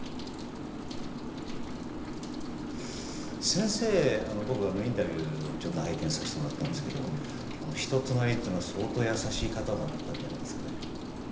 先生のインタビューを拝見させてもらったんですけど人となりというのが相当優しい方だったんじゃないですかね。